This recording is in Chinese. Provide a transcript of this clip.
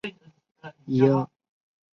插电式混合动力车是一种混合动力车辆。